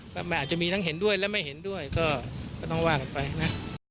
ก็อาจจะมีทั้งเห็นด้วยและไม่เห็นด้วยก็ต้องว่ากันไปนะ